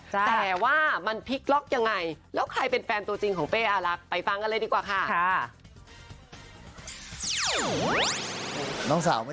แต่ว่ามันพลิกล็อกอย่างไร